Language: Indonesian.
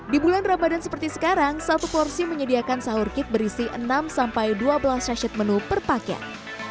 di bulan ramadan seperti sekarang satu porsi menyediakan sahur kit berisi enam sampai dua belas sesion